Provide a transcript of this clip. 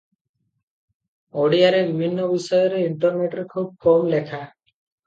ଓଡ଼ିଆରେ ବିଭିନ୍ନ ବିଷୟରେ ଇଣ୍ଟରନେଟରେ ଖୁବ କମ ଲେଖା ।